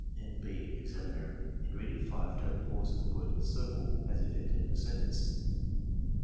(N. B, Examiner, — In reading 5, don't pause at the word CIRCLE as if ending a sentence.)